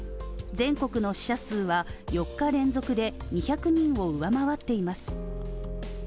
全国の死者数は４日連続で２００人を上回っています。